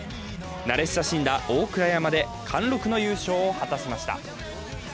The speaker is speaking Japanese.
慣れ親しんだ大倉山で貫禄の優勝を果たしました。